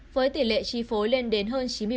với tỷ lệ tri phối lên đến hơn chín mươi một